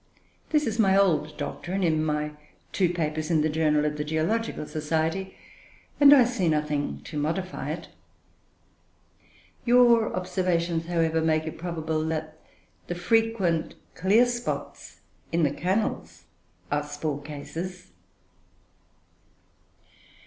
This is my old doctrine in my two papers in the "Journal of the Geological Society," and I see nothing to modify it. Your observations, however, make it probable that the frequent clear spots in the cannels are spore cases."